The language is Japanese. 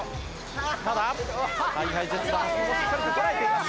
ただＨｉＨｉＪｅｔｓの橋本しっかりとこらえています。